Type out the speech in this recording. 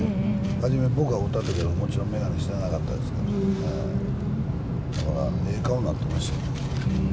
初め僕が会ったときはもちろん眼鏡してなかったでしたから、だから、ええ顔なってましたね。